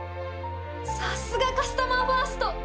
さすがカスタマーファースト！